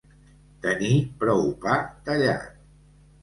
Tenir prou pa tallat.